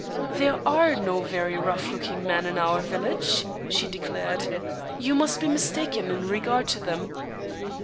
"There are no very rough looking men in our village," she declared; "you must be mistaken in regard to them.